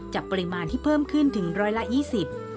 จากปริมาณที่เพิ่มขึ้นถึง๑๒๐ล้านบาท